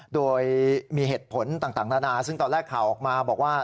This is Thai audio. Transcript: โดยมีเหตุผลต่างนานาซึ่งตอนแรกข่าวออกมาบอกว่า